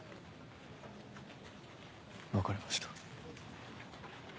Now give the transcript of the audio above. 分かりました。